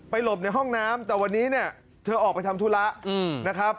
หลบในห้องน้ำแต่วันนี้เนี่ยเธอออกไปทำธุระนะครับ